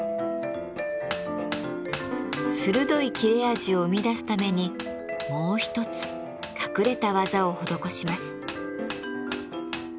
鋭い切れ味を生み出すためにもう一つ隠れた技を施します。